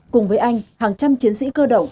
cùng với anh hàng trăm chiến sĩ cơ động